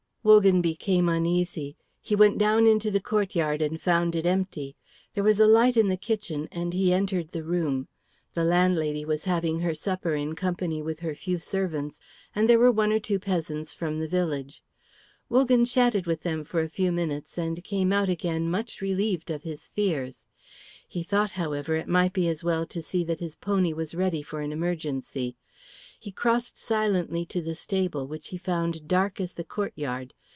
Wogan became uneasy. He went down into the courtyard, and found it empty. There was a light in the kitchen, and he entered the room. The landlady was having her supper in company with her few servants, and there were one or two peasants from the village. Wogan chatted with them for a few minutes and came out again much relieved of his fears. He thought, however, it might be as well to see that his pony was ready for an emergency. He crossed silently to the stable, which he found dark as the courtyard.